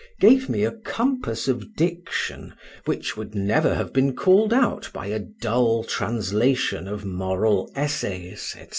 gave me a compass of diction which would never have been called out by a dull translation of moral essays, &c.